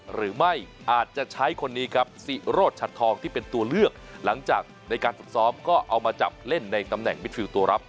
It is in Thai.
หรือไม่อาจจะใช้คนนี้ครับสิโรธชัดทองที่เป็นตัวเลือกหลังจากในการฝึกซ้อมก็เอามาจับเล่นในตำแหน่งมิดฟิลตัวรับ